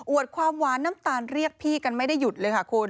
ความหวานน้ำตาลเรียกพี่กันไม่ได้หยุดเลยค่ะคุณ